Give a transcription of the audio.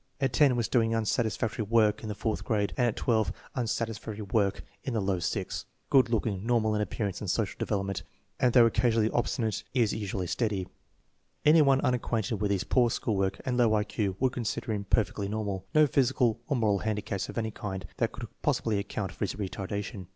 At 10 was doing unsatisfactory work in the fourth grade, and at 12 unsatisfac l * BALL AND FIELD. R.G.. toy work in low sixth. Good AGE 18 ~ 5i "*" AGE " looking, normal in appearance and social development, and though occasionally obstinate is usually steady. Any one unacquainted with his poor school work and low I Q would consider him per fectly normal. No physical or moral handicaps of any kind that could possibly account for his retardation.